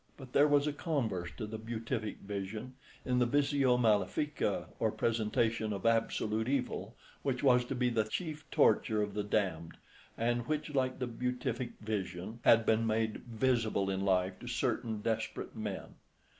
But there was a converse to the Beatific Vision in the Visio malefica, or presentation of absolute Evil, which was to be the chief torture of the damned, and which, like the Beatific Vision, had been made visible in life to certain desperate men.